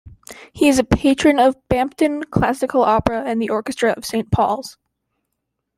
He is a Patron of Bampton Classical Opera and the Orchestra of Saint Paul's.